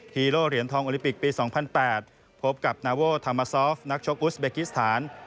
ฮีโร่เหรียญทองโอลิปิกปี๒๐๐๘พบกับนาโวทามาซอฟนักชกอุสเบกิสถาน